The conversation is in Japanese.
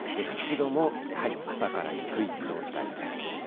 湿度もやはり朝から低い状態です。